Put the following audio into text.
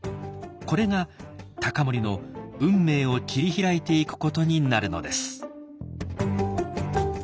これが隆盛の運命を切り開いていくことになるのです。